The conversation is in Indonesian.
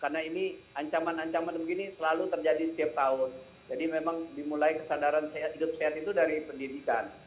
karena ini ancaman ancaman begini selalu terjadi setiap tahun jadi memang dimulai kesadaran hidup sehat itu dari pendidikan